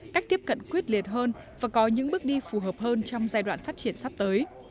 cách tiếp cận quyết liệt hơn và có những bước đi phù hợp hơn trong giai đoạn phát triển sắp tới